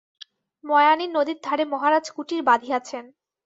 ময়ানি নদীর ধারে মহারাজ কুটির বাঁধিয়াছেন।